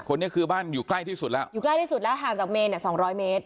คนนี้คือบ้านอยู่ใกล้ที่สุดแล้วอยู่ใกล้ที่สุดแล้วห่างจากเมนเนี่ยสองร้อยเมตร